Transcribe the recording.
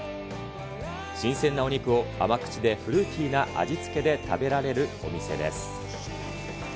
新鮮なお肉を甘口でフルーティーな味付けで食べられるお店です。